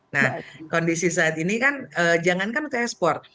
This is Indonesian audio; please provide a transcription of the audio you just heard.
nah kondisi saat ini kan jangankan untuk ekspor